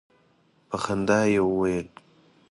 په خندا یې ویل.